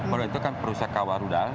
rudal itu kan perusahaan kawah rudal